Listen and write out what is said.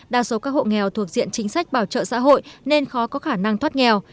đa số các hộ nghèo thuộc diện chính sách bảo trợ xã hội nên khó có khả năng thoát nghèo